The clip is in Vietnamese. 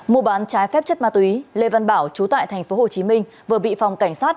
mùa bán trái phép chất ma túy lê văn bảo trú tại tp hcm vừa bị phòng cảnh sát